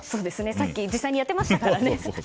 さっき実際にやってましたからね。